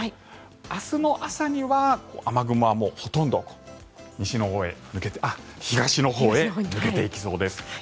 明日の朝には雨雲はほとんど東のほうへ抜けていきそうです。